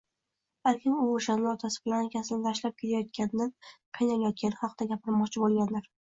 Balkim u o`shanda otasi bilan akasini tashlab ketayotganidan qiynalayotgani haqida gapirmoqchi bo`lgandir